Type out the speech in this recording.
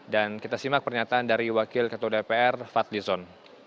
dan kita simak pernyataan dari wakil ketua dpr fadlizon